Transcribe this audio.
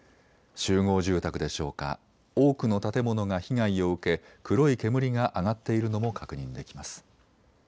集合住宅でしょうか、多くの建物が被害を受け、黒い煙が上がっているのも確認できます。